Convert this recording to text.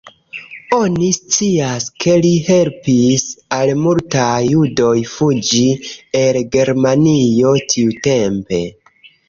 Oni scias ke li helpis al multaj judoj fuĝi el Germanio tiutempe.